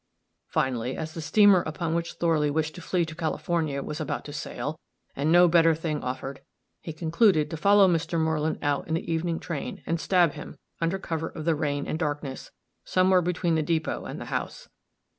Finally, as the steamer upon which Thorley wished to flee to California was about to sail, and no better thing offered, he concluded to follow Mr. Moreland out in the evening train, and stab him, under cover of the rain and darkness, somewhere between the depot and the house.